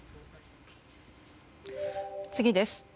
次です。